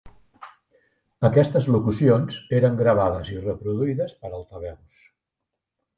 Aquestes locucions eren gravades i reproduïdes per altaveus.